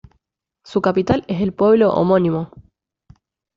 Su capital es el pueblo homónimo.